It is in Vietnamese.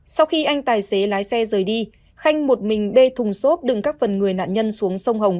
sau khi anh tài xế lái xe rời đi khanh một mình bê thùng xốp đựng các phần người nạn nhân xuống sông hồng